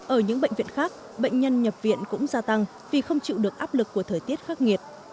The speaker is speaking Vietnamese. ở những bệnh viện khác bệnh nhân nhập viện cũng gia tăng vì không chịu được áp lực của thời tiết khắc nghiệt